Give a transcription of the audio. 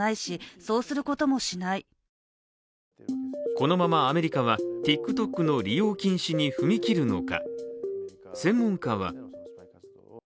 このままアメリカはＴｉｋＴｏｋの利用禁止に踏み切るのか。